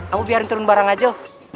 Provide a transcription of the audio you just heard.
abu biarin turun barang aja